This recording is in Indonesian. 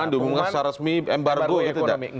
pengumuman demokrasi resmi embargo ekonomi